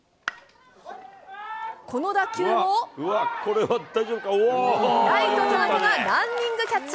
この打球をライト、田中がランニングキャッチ。